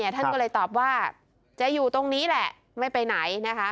ท่านก็เลยตอบว่าจะอยู่ตรงนี้แหละไม่ไปไหนนะคะ